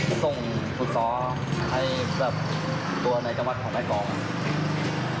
ข้ามส่งทุกทศให้ตัวในกระมัดของแม่กรอบ